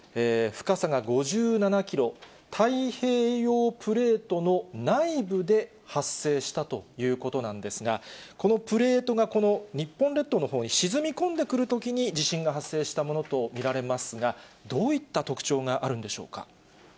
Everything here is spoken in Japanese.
深さが５７キロ、太平洋プレートの内部で発生したということなんですが、このプレートが日本列島のほうに沈み込んでくるときに、地震が発生したものと見られますが、どういった特徴があるんでしょうか。